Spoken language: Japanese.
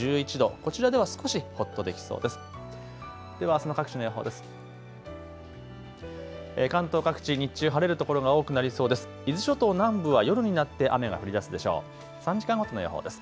こちらでは少しほっとできそうです。